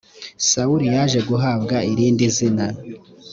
sawuli yaje guhabwa irindizina .